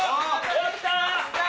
やった！